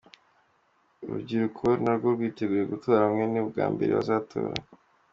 Urubyiruko narwo rwiteguye gutora bamwe ni ubwa mbere bazatora.